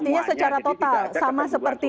artinya secara total sama seperti